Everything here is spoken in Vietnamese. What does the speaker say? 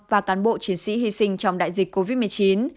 và cán bộ chiến sĩ hy sinh trong đại dịch covid một mươi chín